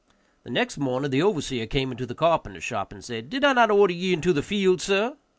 The next morning the overseer came into the carpenter's shop and said, "Did I not order ye into the field, sir?"